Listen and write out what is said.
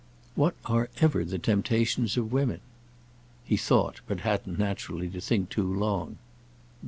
"What are ever the temptations of women?" He thought—but hadn't, naturally, to think too long.